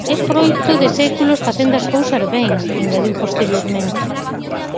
"É froito de séculos facendo as cousas ben", engadiu posteriormente.